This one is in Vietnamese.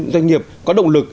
doanh nghiệp có động lực